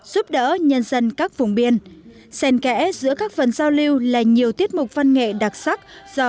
giúp đỡ nhân dân các vùng biên sen kẽ giữa các phần giao lưu là nhiều tiết mục văn nghệ đặc sắc do